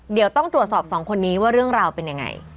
เดี๋ยวต้องตรวจสอบสองคนนี้ว่าเรื่องราวเป็นยังไง